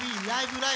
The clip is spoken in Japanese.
ライブ！